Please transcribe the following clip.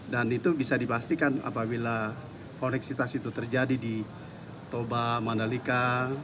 dan itu bisa dipastikan apabila koneksitas itu terjadi di toba mandalika